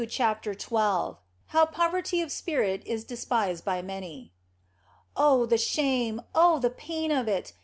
CHAPTER XII HOW POVERTY OF SPIRIT IS DESPISED BY MANY OH, the shame, oh, the pain of it